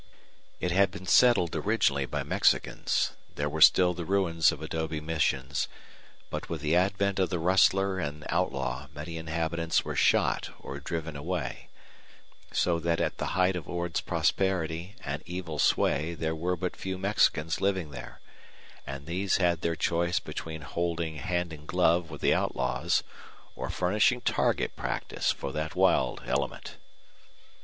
It had been settled originally by Mexicans there were still the ruins of adobe missions but with the advent of the rustler and outlaw many inhabitants were shot or driven away, so that at the height of Ord's prosperity and evil sway there were but few Mexicans living there, and these had their choice between holding hand and glove with the outlaws or furnishing target practice for that wild element.